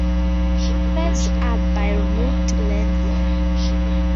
Fares are by route length.